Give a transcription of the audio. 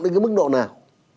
đến cái mức độ nào